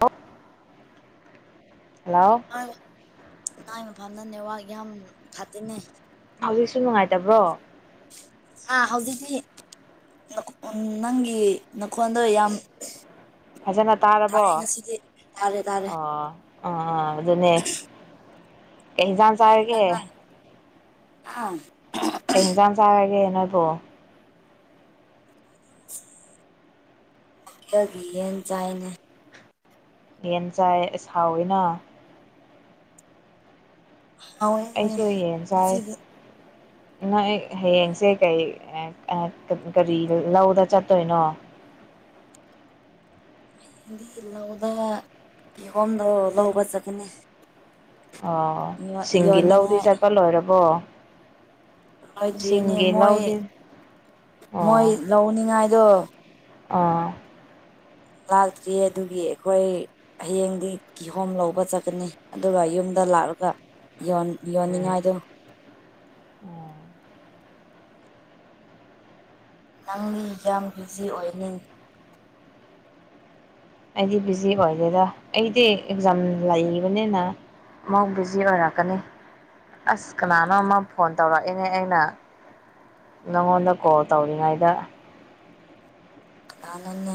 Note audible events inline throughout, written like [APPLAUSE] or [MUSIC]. ꯑꯣ ꯍꯜꯂꯣ ꯑꯩꯥꯏ ꯃꯐꯝꯗ ꯅꯦꯠꯋꯥꯛ ꯌꯥꯝ ꯐꯥꯇꯤꯅꯦ ꯍꯧꯖꯤꯛꯁꯨ ꯅꯨꯡꯉꯥꯏꯇꯕ꯭ꯔꯣ ꯑꯥ ꯍꯧꯖꯤꯛꯇꯤ ꯅꯪꯒꯤ ꯅꯈꯣꯟꯗꯣ ꯌꯥꯝ ꯐꯖꯅ ꯇꯥꯔꯕꯣ ꯇꯥꯏ ꯉꯁꯤꯗꯤ ꯇꯥꯔꯦ ꯇꯥꯔꯦ ꯑꯣ ꯑ ꯑꯗꯨꯅꯦ ꯀꯩꯟꯖꯥꯡ ꯆꯥꯏꯔꯒꯦ ꯅꯪ ꯑꯥ ꯀꯩ ꯌꯦꯟꯖꯥꯡ ꯆꯥꯔꯒꯦ ꯅꯣꯏꯕꯨꯣ ꯌꯦꯟ ꯆꯥꯏꯅꯦ ꯌꯦꯟ ꯆꯥꯏ ꯁꯥꯎꯅ ꯍꯥꯎꯋꯦ ꯑꯩꯁꯨ ꯌꯦꯟ ꯆꯥꯏ ꯉꯁꯤꯗꯤ ꯅꯣꯏ ꯍꯌꯦꯡꯁꯦ ꯀꯩ ꯀꯔꯤ ꯂꯧꯗ ꯆꯠꯇꯣꯏꯅꯣ [INAUDIBLE] ꯗꯤ ꯂꯧꯗ ꯀꯣꯝꯗꯣ ꯂꯧꯕ ꯆꯠꯀꯅꯤ ꯑꯣ ꯁꯤꯡꯒꯤ ꯂꯧꯗꯤ ꯌꯣꯟꯅꯤꯡꯉꯥꯏ ꯆꯠꯄ ꯂꯣꯏꯔꯕꯣ ꯑꯣꯏꯗ꯭ꯦꯅꯦ ꯁꯤꯡꯒꯤ ꯃꯣꯏ ꯂꯧꯗꯤ ꯃꯣꯏ ꯑꯣ ꯂꯧꯅꯤꯡꯉꯥꯏꯗꯣ ꯑꯥ ꯂꯥꯛꯇ꯭ꯔꯤ ꯑꯗꯨꯒꯤ ꯑꯩꯈꯣꯏ ꯍꯌꯦꯡꯗꯤ ꯀꯤꯍꯣꯝ ꯂꯧꯕ ꯆꯠꯀꯅꯤ ꯑꯗꯨꯒ ꯌꯨꯝꯗ ꯗ ꯂꯥꯛꯂꯒ ꯌ ꯌꯣꯟꯅꯤꯡꯉꯥꯏꯗꯣ ꯅꯪꯗꯤ ꯌꯥꯝ ꯕꯤꯖꯤ ꯑꯣꯏꯅꯤ ꯑꯩꯗꯤ ꯕꯤꯖꯤ ꯑꯣꯏꯗꯦꯗ ꯑꯩꯗꯤ ꯑꯦꯛꯖꯥꯝ ꯂꯩꯕꯅꯤꯅ ꯑꯃꯧ ꯕꯤꯖꯤ ꯑꯣꯏꯔꯛꯀꯅꯤ ꯑꯁ ꯀꯅꯥꯅꯣ ꯑꯃ ꯐꯣꯟ ꯇꯧꯔꯛꯏꯅꯦ ꯑꯩꯅ ꯅꯪꯉꯣꯟꯗ ꯀꯣꯜ ꯇꯧꯔꯤꯉꯩꯗ ꯑꯅꯟꯅꯦ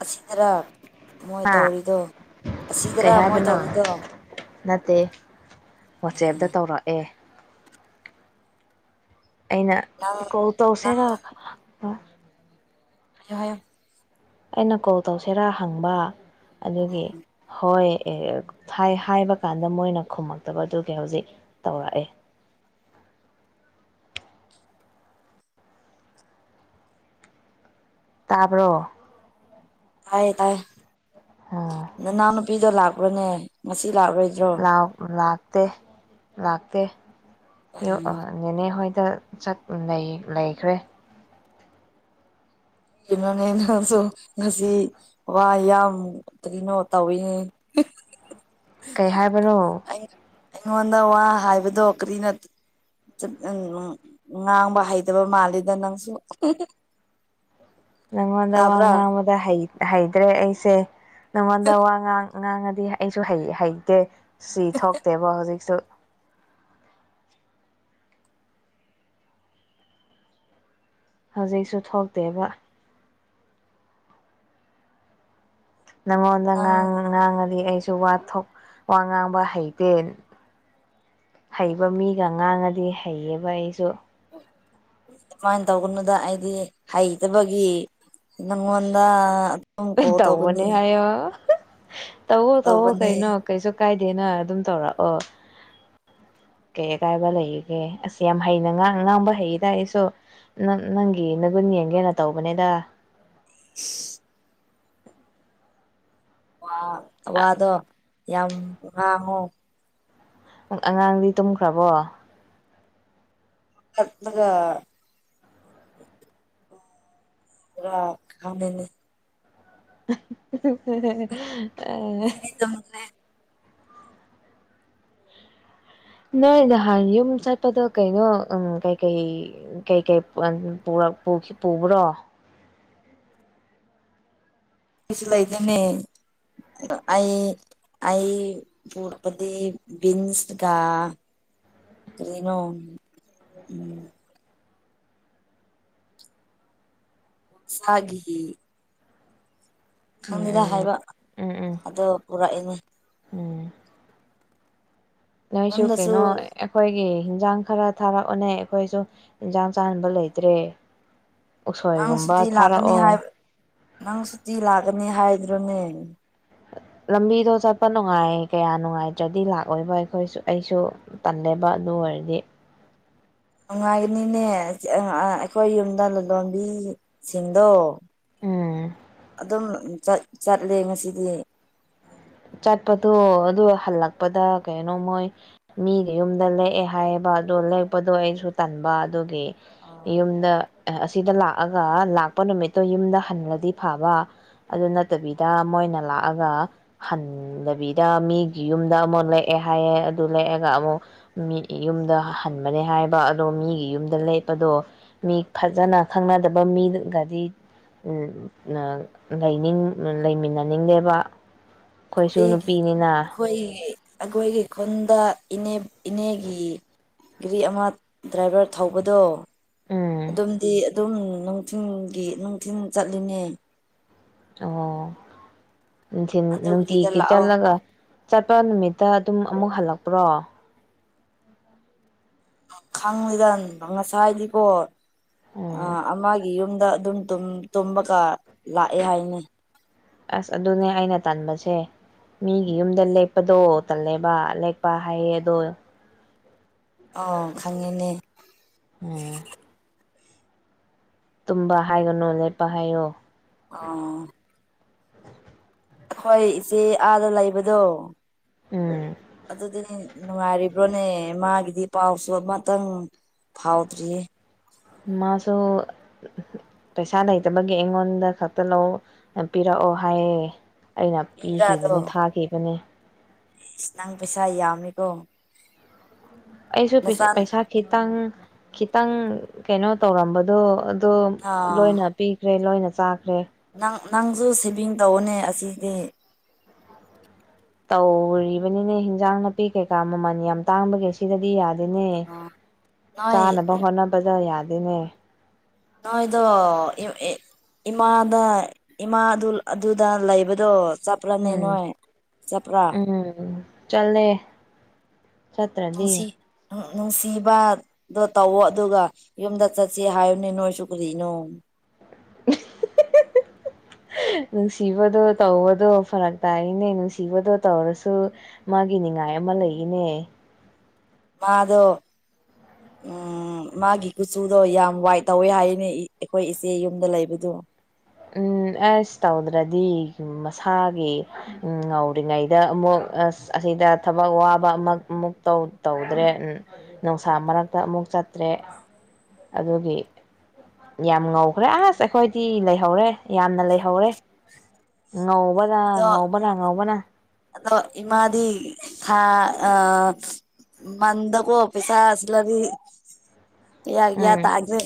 ꯑꯁꯤꯁꯤ ꯇꯔꯥ ꯃꯣꯏ ꯍꯥ ꯇꯧꯔꯤꯗꯣ ꯀꯩ ꯑꯁꯤꯗꯔꯥ ꯃꯣꯏ ꯍꯥꯏꯕꯅꯣ ꯇꯧꯔꯤꯗꯣ ꯅꯠꯇꯦ ꯋꯥꯆꯦꯞꯇ ꯇꯧꯔꯛꯑꯦ ꯑꯩꯅ ꯅꯪ ꯀꯣꯜ ꯅꯪ ꯇꯧꯁꯦꯔ ꯌꯥ ꯑꯩꯅ ꯀꯣꯜ ꯇꯧꯁꯤꯔꯥ ꯍꯪꯕ ꯑꯗꯨꯒꯤ ꯍꯣꯏ ꯍꯥꯏꯕ ꯀꯥꯟꯗ ꯃꯣꯏꯅ ꯈꯨꯝꯃꯛꯇꯕꯗꯨꯒꯤ ꯍꯧꯖꯤꯛ ꯇꯧꯔꯛꯑꯦ [INAUDIBLE] ꯇꯥꯕ꯭ꯔꯣ ꯇꯥꯏꯌꯦ ꯇꯥꯏ ꯑꯣ ꯅꯅꯥꯎꯅꯨꯄꯤꯗꯣ ꯂꯥꯛꯄ꯭ꯔꯣꯅꯦ ꯆꯤ ꯂꯒꯦꯁꯨ ꯥꯛ ꯇꯦ ꯎꯝ ꯂꯥꯛꯇꯦꯦꯅꯦ ꯍꯣꯏ ꯂꯩꯈ꯭ꯔꯦ ꯀꯩꯅꯣꯅꯦ ꯅꯪꯁꯨ ꯉꯁꯤ ꯋꯥ ꯌꯥꯝ ꯀꯩꯅꯣ ꯇꯧꯋꯤꯅꯦ [INAUDIBLE] ꯀꯩ ꯍꯥꯏꯕꯅꯣ ꯑꯩ ꯑꯩꯉꯣꯟꯗ ꯋꯥ ꯍꯥꯏꯕꯗꯣ ꯀ꯭ꯔꯤ ꯅꯠꯇꯦ ꯎ ꯉꯥꯡꯕ ꯍꯩꯇꯕ ꯃꯥꯜꯂꯤꯗ ꯅꯪꯁꯨ ꯅꯪꯉꯣꯟꯗ ꯋꯥ ꯇꯥꯕ꯭ꯔꯥ ꯉꯥꯡꯕꯗ ꯍꯩꯇ꯭ꯔꯦ ꯑꯩꯁꯦ ꯅꯪꯉꯣꯟꯗ ꯋꯥ ꯉꯥꯡ ꯉꯉꯥꯡꯉꯗꯤ ꯑꯩꯁꯨ ꯍ ꯍꯩꯇꯦ ꯁꯤ ꯊꯣꯛꯇꯦꯕ ꯍꯧꯖꯤꯛꯁꯨ ꯍꯧꯖꯤꯛꯁꯨ ꯊꯣꯛꯇꯦꯕ ꯅꯃꯣꯗ ꯅꯪ ꯉꯥꯡ ꯉꯥꯡꯗꯤꯁ ꯋꯥꯊꯣꯛ ꯋꯥ ꯉꯥꯡꯕ ꯍꯩꯇꯦ ꯍꯩꯕ ꯃꯤꯒ ꯉꯥꯡꯉꯗꯤ ꯍꯩꯌꯦꯕ ꯑꯩꯁꯨ ꯎꯝ [UNINTELLIGIBLE] [INAUDIBLE] ꯀꯃꯥꯏꯅ ꯇꯧꯒꯅꯨꯗ ꯑꯩꯗꯤ ꯍꯩꯇꯕꯒꯤ ꯅꯪꯉꯣꯟꯗ ꯅꯪ ꯀꯣ ꯇꯧꯕꯅꯤ ꯇꯧꯑꯣ ꯇꯧꯑꯣ ꯀꯩꯅꯣ ꯀꯩꯁꯨ ꯀꯥꯏꯗꯦꯅ ꯑꯗꯨꯝ ꯇꯧꯔꯛꯑꯣ ꯀꯩ ꯑꯀꯥꯏꯕ ꯂꯩꯔꯤꯒꯦ ꯑꯁ ꯌꯥꯝ ꯍꯩꯅ ꯉꯥꯡ ꯉꯥꯡꯕ ꯍꯩꯌꯦ ꯇ ꯑꯩꯁꯨ ꯅꯪ ꯅꯪꯒꯤ ꯅꯒꯨꯟ ꯌꯦꯡꯒꯦꯅ ꯇꯧꯕꯅꯦꯗ [UNINTELLIGIBLE] [INAUDIBLE] ꯋꯥ ꯋꯥꯗꯣ ꯌꯥꯝ ꯉꯥꯡꯉꯨ ꯑꯉꯥꯡꯗꯤ ꯇꯨꯝꯈ꯭ꯔꯕꯣ ꯒ [UNINTELLIGIBLE] [INAUDIBLE] ꯔ ꯈꯃꯤꯅꯤ [UNINTELLIGIBLE] [INAUDIBLE] ꯗꯤ ꯇ [INAUDIBLE] ꯍꯒꯦ ꯅꯣꯏ ꯅꯍꯥꯟ ꯌꯨꯝ ꯆꯠꯄꯗꯣ ꯀꯩꯅꯣ ꯀꯩꯀꯩ ꯀꯩꯀꯩ [INAUDIBLE] ꯄꯨꯈꯤ ꯄꯨꯕ꯭ꯔꯣ ꯀꯁꯂꯥꯏꯗꯅꯤ ꯑꯩ ꯑꯩ ꯄꯔꯛꯄꯗꯤ ꯕꯤꯟꯁꯒ ꯑꯗꯨꯅꯣ ꯎꯝ ꯐꯒꯤ ꯎꯝ ꯈꯪꯗꯦꯗ ꯎꯝ ꯎꯝ ꯍꯥꯏꯕ ꯎꯝ ꯎꯝ ꯑꯗꯣ ꯄꯨꯔꯛꯏꯅꯦ ꯎꯝ ꯅꯣꯏꯁꯨ ꯌꯨꯝꯗꯁꯨ ꯀꯩꯅꯣ ꯑꯩꯈꯣꯏꯒꯤ ꯏꯟꯁꯥꯡ ꯈꯔ ꯊꯥꯔꯛꯑꯣꯅꯦ ꯑꯩꯈꯣꯏꯁꯨ ꯏꯟꯁꯥꯡ ꯆꯥꯍꯟꯕ ꯂꯩꯇ꯭ꯔꯦ ꯅꯪ ꯎꯁꯣꯏꯒꯨꯝꯕ ꯁꯨꯇꯤ ꯂꯥꯛꯀꯅꯤ ꯊꯥꯔꯛꯑꯣ ꯍꯥꯏ ꯅꯪ ꯁꯨꯇꯤ ꯂꯥꯛꯀꯅꯤ ꯍꯥꯏꯗ꯭ꯔꯣꯅꯦ ꯂꯝꯕꯤꯗꯣ ꯆꯠꯄ ꯅꯨꯡꯉꯥꯏ ꯀꯌꯥ ꯅꯨꯡꯉꯥꯏꯇ꯭ꯔꯗꯤ ꯂꯥꯛꯑꯣꯏꯕ ꯑꯩꯈꯣꯏꯁꯨ ꯑꯩꯁꯨ ꯄꯜꯂꯦꯕ ꯑꯗꯨ ꯑꯣꯏꯔꯗꯤ ꯅꯨꯡꯉꯥꯏꯒꯅꯤꯅꯦ ꯑꯩꯈꯣꯏ ꯌꯨꯝꯗ ꯂꯂꯣꯟꯕꯤꯁꯤꯡꯗꯣ ꯎꯝ ꯑꯗꯨꯝ ꯆꯠꯂꯦ ꯉꯁꯤꯗꯤ ꯆꯠꯄꯗꯣ ꯑꯗꯨ ꯍꯜꯂꯛꯄꯗ ꯀꯩꯅꯣ ꯃꯣꯏ ꯃꯤꯗ ꯌꯨꯝꯗ ꯂꯦꯛꯑꯦ ꯍꯥꯏꯌꯦꯕ ꯑꯣ ꯂꯔꯛꯄꯗꯣ ꯑꯩꯁꯨ ꯇꯟꯕ ꯑꯗꯨꯒꯤ ꯑꯩꯈꯣꯏꯒꯤ ꯌꯨꯝꯗ ꯑꯁꯤꯗ ꯂꯥꯛꯑꯒ ꯂꯥꯛꯄ ꯅꯨꯃꯤꯠꯇꯣ ꯌꯨꯝꯗ ꯍꯜꯂꯗꯤ ꯐꯕ ꯑꯗꯨ ꯅꯠꯇꯕꯤꯗ ꯃꯣꯏꯅ ꯂꯥꯛꯑꯒ ꯍꯟꯗꯕꯤꯗ ꯃꯤꯒꯤ ꯌꯨꯝꯗ ꯑꯃꯨꯛ ꯂꯦꯛꯑꯦ ꯍꯥꯏꯌꯦ ꯑꯗꯨ ꯂꯦꯛꯑꯒ ꯑꯃꯨꯛ ꯃꯤ ꯌꯨꯝ ꯌꯨꯝ ꯍꯟꯕꯅꯦ ꯍꯥꯏꯕ ꯑꯗꯣ ꯃꯤꯒꯤ ꯌꯨꯝꯗ ꯂꯩꯄꯗꯣ ꯃꯤ ꯐꯖꯅ ꯈꯪꯅꯗꯕ ꯃꯤ ꯒꯥꯗꯤ ꯂꯩꯅꯤꯡ ꯂꯩꯃꯤꯟꯅꯅꯤꯡꯗꯦꯕ ꯑꯩꯈꯣꯏꯁꯨ ꯅꯨꯄꯤꯅꯤꯅ ꯑꯩꯈꯣꯏꯒꯤ ꯑꯩꯈꯣꯏꯒꯤ ꯈꯨꯟꯗꯅꯦ ꯏꯅꯦꯒꯤ ꯒꯥꯔꯤ ꯑꯃ ꯗ꯭ꯔꯥꯏꯚꯔ ꯊꯧꯕꯗꯣ ꯎꯝ ꯑꯗꯨꯝꯗꯤ ꯑꯗꯨꯝ ꯅꯨꯡꯊꯤꯡꯒꯤ ꯅꯨꯡꯊꯤꯟ ꯆꯠꯂꯤꯅꯦ ꯑꯣ ꯅꯨꯪꯊꯤꯟ ꯅꯨꯡꯇꯤ ꯑꯗꯨꯒꯤꯗ ꯀ ꯂꯥꯛꯑꯣ ꯆꯜꯂꯒ ꯆꯠ ꯏꯨꯄꯥ ꯅꯨꯃꯤꯠꯇ ꯑꯗꯨꯝ ꯑꯃꯨꯛ ꯍꯜꯂꯛꯄ꯭ꯔꯣ ꯈꯥꯡꯉꯗꯟ ꯉꯁꯥꯏ ꯍꯥꯏꯗꯤꯀꯣ ꯑ ꯎꯝ ꯑꯃꯒꯤ ꯌꯨꯝ ꯗ ꯑꯗꯨꯝ ꯇꯨꯝꯕꯒ ꯂꯥꯛꯑꯦ ꯍꯥꯏꯅꯤ ꯑꯁ ꯑꯗꯨꯅꯦ ꯑꯩꯅ ꯇꯟꯥꯟꯕꯁꯦ ꯃꯤꯒꯤ ꯌꯨꯝꯗ ꯂꯦꯛꯄꯗꯣ ꯇꯜꯂꯦꯕ ꯂꯦꯛꯄ ꯍꯥꯏꯌꯦ ꯑꯗꯣ ꯑꯣ ꯈꯪꯉꯤ ꯎꯝ ꯇꯨꯝꯕ ꯍꯥꯏꯒꯅꯨ ꯂꯦꯞꯄ ꯍꯥꯏꯌꯣ ꯑ ꯍꯣꯏ ꯏꯆꯦ ꯑꯥꯗ ꯂꯩꯕꯗꯣ ꯎꯝ ꯑꯗꯨꯗꯤ ꯅꯨꯡꯉꯥꯏꯔꯤꯕ꯭ꯔꯣꯅꯦ ꯃꯥꯒꯤꯗꯤ ꯄꯥꯎꯁꯨ ꯑꯃꯇꯪ ꯐꯥꯎꯗ꯭ꯔꯤꯌꯦ ꯃꯥꯁꯨ ꯄꯩꯁꯥ ꯂꯩꯇꯕꯒꯤ ꯑꯩꯉꯣꯟꯗ ꯈꯛꯇ ꯂꯧ ꯄꯤꯔꯛꯑꯣ ꯍꯥꯏꯌꯦ ꯑꯩꯅ ꯄꯤꯈꯤꯕꯅꯤ ꯊꯥꯈꯤꯕꯅꯤ ꯁ ꯅꯪ ꯄꯩꯁꯥ ꯌꯥꯝꯃꯤꯀꯣ ꯑꯩꯁꯨ ꯅꯆꯥꯟ ꯄꯩꯁꯥ ꯈꯤꯇꯪ ꯈꯤꯇꯪ ꯀꯩꯅꯣ ꯇꯧꯔꯝꯕꯗꯣ ꯑꯗꯨ ꯑꯥ ꯂꯣꯏꯅ ꯄꯤꯈ꯭ꯔꯦ ꯂꯣꯏꯅ ꯆꯥꯈ꯭ꯔꯦ ꯅꯪ ꯅꯪꯁꯨ ꯁꯦꯚꯤꯡ ꯇꯧꯧꯕꯅꯦ ꯑꯁꯤꯗꯤ ꯇꯧꯔꯤꯕꯅꯤꯅꯦ ꯍꯤꯟꯖꯥꯡ ꯅꯥꯄꯤ ꯀꯩꯀꯥ ꯃꯃꯜ ꯌꯥꯝ ꯇꯥꯡꯕꯒꯦ ꯁꯤꯗꯗꯤ ꯌꯥꯗꯦ ꯅꯦ ꯅꯣꯏ ꯆꯥꯅꯕ ꯍꯣꯠꯅꯕꯗ ꯌꯥꯗꯦꯅꯦ ꯅꯣꯏꯗ ꯏꯃꯥꯗ ꯏꯃꯥ ꯑꯗꯨꯗ ꯂꯩꯕꯗꯣ ꯆꯠꯄ꯭ꯔꯥꯅꯤ ꯎꯝ ꯅꯣꯏ ꯆꯄ꯭ꯔꯥ ꯆꯜꯦ ꯁꯠꯇ꯭ꯔꯗꯤ ꯅꯨꯡꯁꯤ ꯅꯨꯡꯁꯤꯕꯗꯣ ꯇꯧꯋꯣ ꯑꯗꯨꯒ ꯌꯨꯝꯗ ꯆꯠꯁ ꯍꯥꯏꯌꯨꯅꯦ ꯅꯣꯏꯁꯨ ꯀꯔꯤꯅꯣ [INAUDIBLE] [INAUDIBLE] ꯅꯨꯡꯁꯤꯕꯗꯣ ꯇꯧꯕꯗꯣ ꯐꯔꯛ ꯇꯥꯏꯅꯦ ꯅꯨꯡꯁꯤꯕꯗꯣ ꯇꯧꯔꯁꯨ ꯃꯥꯒꯤ ꯌꯥ ꯑꯃ ꯂꯩ ꯏꯅꯦ ꯃꯥꯗꯣ ꯏꯝ ꯎ ꯃꯥꯒꯤ ꯀꯨꯆꯨꯗꯣ ꯌꯥꯝ ꯋꯥꯏꯠ ꯇꯧꯋꯦ ꯍꯥꯏꯅꯦ ꯑꯩꯈꯣꯏ ꯏꯆꯦ ꯌꯨꯝꯗ ꯂꯩꯕꯗꯣ ꯎꯝ ꯑꯁ ꯇꯧꯗ꯭ꯔꯗꯤ ꯃꯁꯥꯒꯤ ꯉꯧꯔꯤꯉꯩꯗ ꯑꯃꯨꯛ ꯑ ꯁꯤꯗ ꯊꯕꯛ ꯋꯥꯕ ꯑꯃꯨꯛ ꯑꯃꯨ ꯇꯧꯗ꯭ꯔꯦ ꯅꯨꯡꯁꯥ ꯃꯔꯛꯇ ꯑꯃꯨꯛ ꯆꯠꯇ꯭ꯔꯦ ꯑꯗꯨꯒꯤ ꯌꯥꯝ ꯉꯧꯈ꯭ꯔꯦ ꯑꯁ ꯑꯩꯈꯣꯏꯗꯤ ꯂꯩꯍꯧꯔꯦ ꯌꯥꯝꯅ ꯂꯩꯍꯧꯔꯦ ꯉꯧ ꯉꯕꯗ ꯑꯗꯣ ꯉꯥꯎꯕꯅ ꯉꯥꯎꯕꯅ ꯑꯗꯣ ꯏꯃꯥꯗꯤ ꯈꯥ ꯑ ꯃꯗ ꯀꯣ ꯑꯣ ꯄꯩꯁꯥ ꯑꯁꯂꯗꯤ ꯌꯥ ꯌꯥ ꯎꯝ ꯇꯥꯖꯦ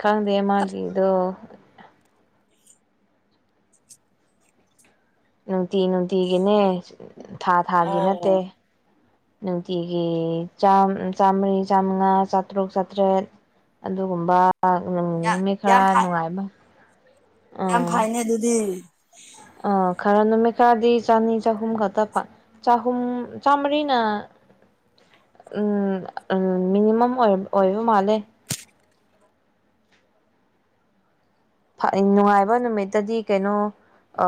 ꯈꯪꯗꯦ ꯃꯥꯒꯤꯗꯣ ꯅꯨꯡꯇꯤ ꯅꯨꯡꯇꯤꯒꯤꯅꯦ ꯊꯥ ꯊꯥꯒꯤ ꯑꯣ ꯅꯠꯇꯦ ꯅꯨꯡꯇꯤꯒꯤ ꯆ ꯆꯃꯔꯤ ꯆꯝꯉꯥ ꯆꯥꯇ꯭ꯔꯨꯛ ꯆꯥꯇ꯭ꯔꯦꯠ ꯑꯗꯨꯒꯨꯝꯕ ꯌꯥ ꯅꯨꯃꯤꯠ ꯈꯔ ꯌꯥꯝ ꯐ ꯅꯨꯡꯉꯥꯏꯕ ꯌꯥꯝ ꯑꯥ ꯐꯩꯅꯦ ꯑꯗꯨꯗꯤ ꯑꯥ ꯈꯔ ꯅꯨꯃꯤꯠ ꯈꯔꯗꯤ ꯆꯅꯤ ꯆꯍꯨꯝ ꯈꯛꯇ ꯆꯍꯨꯝ ꯆꯥꯝꯃꯔꯤꯅ ꯎꯝ ꯎꯝ ꯃꯤꯟꯅꯤꯃꯝ ꯑꯣꯕ ꯃꯥꯂꯦ ꯐ ꯅꯨꯡꯉꯥꯏꯕ ꯅꯨꯃꯤꯠꯇꯗꯤ ꯀꯩꯅꯣ ꯑ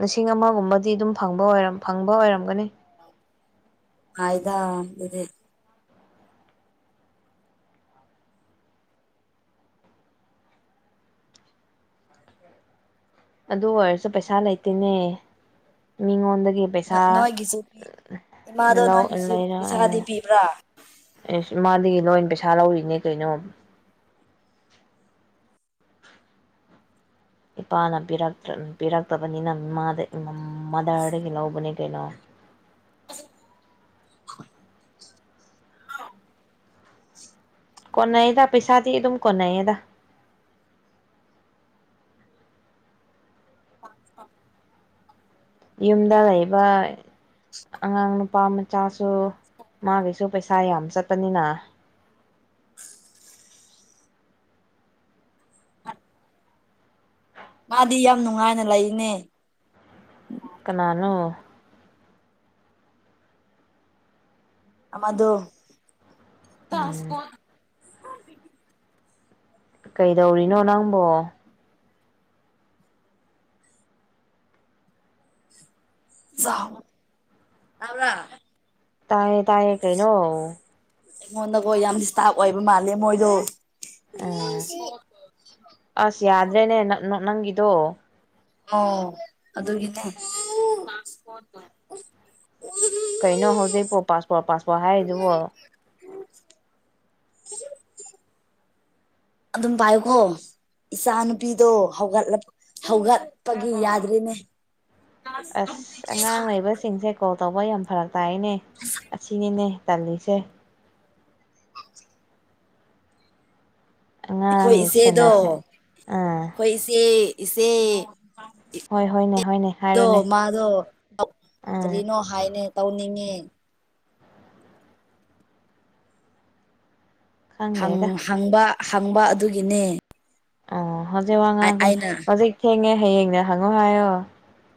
ꯂꯤꯁꯤꯡ ꯑꯃꯒꯨꯝꯕꯗꯤ ꯑꯗꯨꯝ ꯐꯪꯕ ꯑꯣꯏꯔ ꯐꯪꯕ ꯑꯣꯏꯔꯝꯒꯅꯤ ꯍꯥꯏꯗꯦ ꯑꯗꯨ ꯑꯣꯏꯔꯁꯨ ꯄꯩꯁꯥ ꯂꯩꯇꯦꯅꯦ ꯃꯤꯉꯣꯟ ꯒꯤ ꯄꯩꯁꯥ ꯅꯣꯏꯒꯤꯁꯨ ꯄꯤ ꯏꯃꯥꯗꯣ ꯂꯧ ꯅꯣꯏꯒꯤꯁꯨ ꯂꯩꯔ ꯑꯥ ꯄꯩꯁꯥꯗꯤ ꯄꯤꯕ꯭ꯔꯥ ꯑꯦꯁ ꯃꯥꯗꯒꯤ ꯂꯣꯏ ꯄꯩꯁꯥ ꯂꯧꯔꯤꯅꯦ ꯀꯩꯅꯣ ꯏꯄꯥꯅ ꯄꯤ ꯄꯤꯔꯛꯇꯕꯅꯤꯅꯃꯥ ꯃꯥꯗꯔꯗꯒꯤ ꯂꯧꯕꯅꯦ ꯀꯩꯅꯣ [INAUDIBLE] ꯍ ꯀꯣꯟꯅꯥꯩꯗ ꯄꯩꯁꯥꯗꯤ ꯑꯗꯨꯝ ꯀꯅꯥꯩꯗ ꯌꯨꯝꯗ ꯂꯩꯕ ꯑꯉꯥꯡ ꯅꯨꯄꯥ ꯃꯆꯥꯁꯨ ꯃꯥꯒꯤꯁꯨ ꯄꯩꯁꯥ ꯌꯥꯝ ꯆꯠꯄꯅꯤꯅ ꯃꯥꯗꯤ ꯌꯥꯝ ꯅꯨꯡꯉꯥꯏꯅ ꯂꯩꯅꯦ ꯀꯅꯥꯅꯣ ꯑꯃꯗ ꯆ ꯎꯝ ꯀꯩꯗꯧꯔꯤꯅꯣ ꯅꯪꯕꯣ ꯥꯎ ꯌꯥ꯭ꯔ ꯇꯥꯏꯌꯦ ꯇꯥꯏꯌꯦ ꯀꯩꯅ ꯑꯩꯉꯣꯟꯗꯀꯣ ꯌꯥꯝ ꯗꯤꯁꯇꯥꯞ ꯑꯣꯏꯕ ꯃꯥꯜꯂꯦ ꯃꯣꯏꯗꯣ ꯎꯝ ꯑꯁ ꯌꯥꯗ꯭ꯔꯦꯅꯦ ꯅꯪꯒꯤꯗꯣ ꯑꯣ ꯑꯗꯨꯒꯤꯅꯦ ꯀꯩꯅꯣ ꯍꯧꯖꯤꯛꯄꯣ ꯄꯥꯁꯄꯣꯔꯠ ꯄꯥꯁꯄꯣꯔꯠ ꯍꯥꯏꯔꯤꯗꯨꯕꯣ ꯑꯗꯨꯝ ꯄꯥꯏꯌꯨꯈꯣ ꯏꯆꯥ ꯅꯨꯨꯄꯤꯗꯣ ꯍꯧꯒꯠꯂ ꯍꯧꯒꯠꯄꯒꯤ ꯌꯥꯗ꯭ꯔꯤꯅꯦ ꯑꯁ ꯑꯉꯥꯡ ꯂꯩꯕꯁꯤꯡꯁꯦ ꯀꯣꯜ ꯇꯧꯕ ꯌꯥꯝ ꯐꯔꯛ ꯇꯥꯏꯅꯦ ꯑꯁꯤꯅꯤꯅꯦ ꯇꯜꯂꯤꯁꯦ ꯑꯩꯈꯣꯏ ꯑꯉꯥꯡ ꯏꯆꯦꯗꯣ ꯁꯦꯟꯅꯁꯦ ꯑꯥ ꯑꯩꯈꯣꯏ ꯏꯆꯦ ꯏꯆꯦ ꯍꯣꯏ ꯍꯣꯏꯅꯦ ꯍꯣꯏꯅꯦ ꯍꯥꯏꯔꯣꯅꯦ ꯣ ꯃꯥꯗꯣ ꯑꯥ ꯀꯔꯤꯅꯣ ꯍꯥꯏꯅꯦ ꯇꯧꯅꯤꯡꯉꯦ ꯈꯪꯗꯦꯗ ꯍꯪꯕ ꯍꯪꯕ ꯑꯗꯨꯒꯤꯅꯦ ꯑꯥ ꯍꯧꯖꯤꯛ ꯋꯥ ꯉꯥꯡꯒ ꯑꯩꯅ ꯍꯧꯖꯤꯛ ꯊꯦꯡꯉꯦ ꯍꯌꯦꯡꯅꯦ ꯍꯪꯉꯣ ꯍꯥꯏꯌꯣ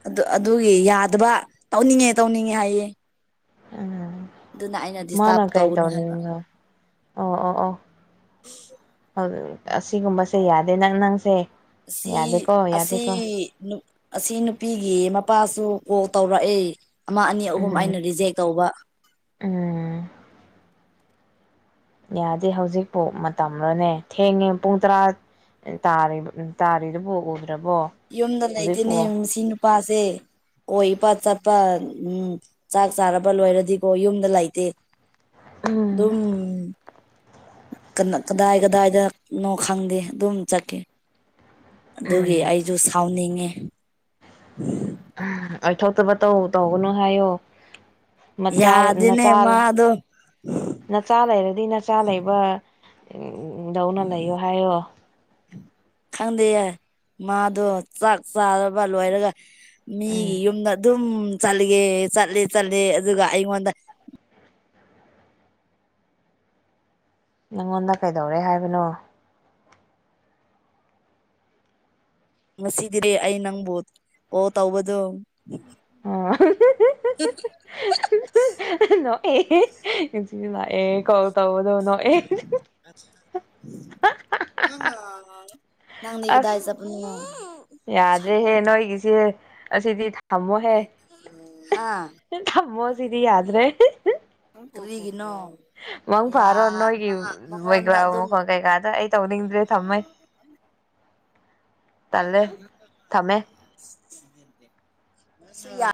ꯑꯗꯨ ꯑꯗꯨꯒꯤ ꯌꯥꯗꯕ ꯇꯧꯅꯤꯡꯉꯦ ꯇꯧꯅꯤꯡꯉꯦ ꯍꯥꯏꯌꯦ ꯑ ꯑꯗꯨꯅ ꯑꯩꯅ ꯃꯥꯅ ꯗꯤꯁꯇꯥꯔꯕ ꯀꯥꯏ ꯇꯧꯒꯅꯨ ꯍꯥꯏꯕ ꯇꯧꯅꯤꯒ ꯑꯣ ꯑꯣ ꯑꯣ ꯑꯁꯤꯒꯨꯝꯕꯁꯦ ꯌꯥꯗꯦ ꯅꯪ ꯅꯪꯁꯦ ꯑꯁꯤꯁꯤ ꯌꯥꯗꯦꯀꯣ ꯑꯁꯤꯁꯤ ꯌꯥꯗꯦꯀꯣ ꯅꯨ ꯑꯁꯤ ꯅꯨꯄꯤꯒꯤ ꯃꯄꯥꯁꯨ ꯀꯣꯜ ꯇꯧꯔꯛꯑꯦ ꯑꯃ ꯑꯅꯤ ꯑꯍꯨꯝ ꯎꯝ ꯑꯩꯅ ꯔꯤꯖꯦꯛ ꯇꯧꯕ ꯎꯝ ꯌꯥꯗꯦ ꯍꯧꯖꯤꯛꯄꯨ ꯃꯇꯝꯂꯅꯦ ꯊꯦꯡꯉꯦ ꯄꯨꯡ ꯇꯔꯥ ꯇꯥ ꯇꯥꯔꯗꯨꯣ ꯌꯨꯝꯗ ꯂꯩꯇꯦꯅꯦ ꯁꯤ ꯅꯨꯄꯥꯁꯦ ꯍ ꯏꯄꯥꯛꯠ ꯆꯠꯄ ꯎꯝ ꯆꯥꯛ ꯆꯥꯔꯕ ꯂꯣꯏꯔꯗꯤꯀꯣ ꯌꯨꯝꯗ ꯂꯩꯇꯦ ꯑꯗꯨꯝ ꯀꯗꯥꯏ ꯀꯗꯥꯏꯗꯅꯣ ꯈꯪꯗꯦ ꯑꯗꯨꯝ ꯆꯠꯀꯦ ꯑꯗꯨꯒꯤ ꯑꯩꯁꯨ ꯁꯥꯎꯅꯤꯡꯉꯤ ꯑꯩ ꯊꯣꯛꯇꯕ ꯇꯧ ꯇꯧꯒꯅꯨ ꯍꯥꯏꯌꯣ ꯌꯥꯗꯦꯅꯦ ꯅꯆꯥ ꯃꯥꯗꯣ ꯅꯆꯥ ꯂꯩꯔꯗꯤ ꯅꯆꯥ ꯂꯩꯕ ꯎꯝ ꯂꯧꯧꯅ ꯂꯩꯌꯣ ꯍꯥꯏꯌꯣ ꯈꯪꯗꯦꯌꯦ ꯃꯥꯗꯣ ꯆꯥꯛ ꯆꯥꯔꯕ ꯂꯣꯏꯔꯒ ꯎꯝ ꯃꯤꯒꯤ ꯌꯨꯝꯗ ꯑꯗꯨꯝ ꯆꯠꯂꯒꯦ ꯆꯠꯂꯦ ꯆꯠꯂꯦ ꯑꯗꯨꯒ ꯑꯩꯉꯣꯟꯗ ꯅꯪꯉꯣꯟꯗ ꯀꯩꯗꯧꯔꯦ ꯍꯥꯏꯕꯅꯣ ꯉꯁꯤꯗꯤ ꯑꯩ ꯅꯪꯕꯨ ꯑꯣ ꯇꯧꯕꯗꯣ ꯑ ꯉ ꯁꯤ ꯂꯥꯛꯑꯦ ꯀꯣꯜ ꯇꯧꯒꯗꯧꯅꯣ ꯑꯦ ꯎ ꯑꯁ ꯌꯥꯗ꯭ꯔꯦꯍꯦ ꯅꯣꯏꯒꯤꯁꯦ ꯑꯁꯤꯗꯤ ꯈꯃꯣꯍꯦ ꯍꯥ ꯈꯃꯣꯁꯗꯤ ꯌꯥꯗ꯭ꯔꯦ ꯀꯔꯤꯒꯅꯣ ꯃꯪ ꯐꯥꯔꯣ ꯅꯣꯏꯒꯤ ꯃꯒ꯭ꯔꯥ ꯃꯈꯣꯟ ꯑꯗꯨꯝꯁꯨ ꯀꯩꯀꯥꯗ ꯑꯩ ꯇꯧꯅꯤꯡꯗ꯭ꯔꯦ ꯊꯝꯃꯦ [INAUDIBLE] ꯇꯜꯦ ꯊꯃꯦ ꯁ ꯌꯥ